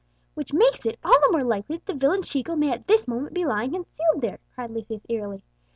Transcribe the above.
"Which makes it all the more likely that the villain Chico may at this moment be lying concealed there!" cried Lucius eagerly.